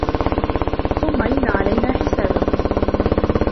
ثُمَّ إِنَّ عَلَينا حِسابَهُم